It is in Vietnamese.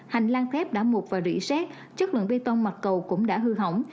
hành lan thép đã mụt và rỉ xét chất lượng bê tông mặt cầu cũng đã hư hỏng